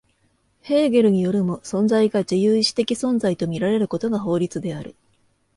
ヘーゲルによるも、存在が自由意志的存在と見られることが法律である。